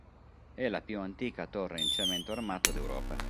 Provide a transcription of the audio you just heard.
È la più antica torre in cemento armato d'Europa.